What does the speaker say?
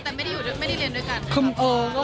แต่ไม่ได้เรียนด้วยกัน